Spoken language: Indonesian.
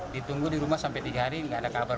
ditunggu di rumah sampai tiga hari nggak ada kabar